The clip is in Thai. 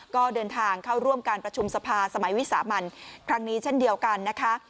ก็เดินทางเข้าร่วมการประชุมสภาสมัยวิสามันครั้งนี้เช่นเดียวกันนะคะ